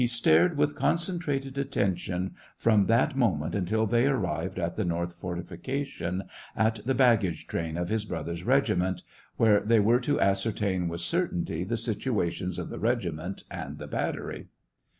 Stared with concentrated attention from that mo ment until they arrived at the north fortification, at the baggage train of his brother's regiment, where they were to ascertain with certainty the situations of the regiment and the battery.